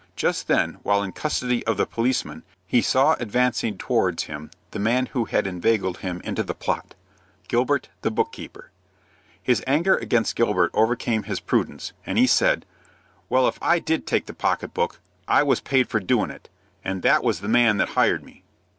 Just then, while in custody of the policeman, he saw advancing towards him the man who had inveigled him into the plot, Gilbert, the book keeper. His anger against Gilbert overcame his prudence, and he said, "Well, if I did take the pocket book, I was paid for doin' it, and that was the man that hired me."